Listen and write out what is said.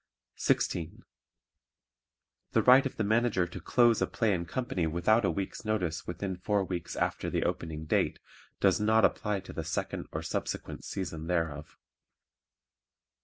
16. The right of the Manager to close a play and company without a week's notice within four weeks after the opening date does not apply to the second or subsequent season thereof.